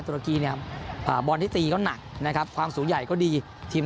รกีเนี่ยอ่าบอลที่ตีก็หนักนะครับความสูงใหญ่ก็ดีทีม